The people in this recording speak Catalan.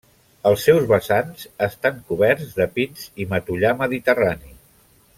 Els seus vessants estan coberts de pins i matollar mediterrani.